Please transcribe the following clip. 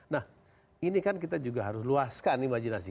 nah ini kan kita juga harus luaskan imajinasi